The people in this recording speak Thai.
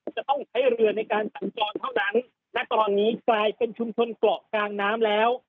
จะต้องใช้เรือในการสัญจรเท่านั้นณตอนนี้กลายเป็นชุมชนเกาะกลางน้ำแล้ว